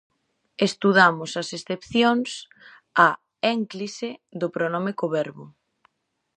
Estudamos as excepcións á énclise do pronome co verbo.